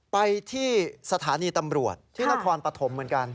ไปที่สถานีตำรวจที่นครปฐมเหมือนกัน